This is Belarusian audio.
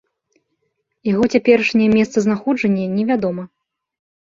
Яго цяперашняе месцазнаходжанне невядома.